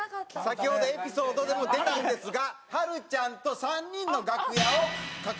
先ほどエピソードでも出たんですがはるちゃんと３人の楽屋を隠し撮りさせて頂きました。